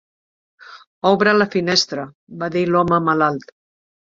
"Obre la finestra", va dir l'home malalt.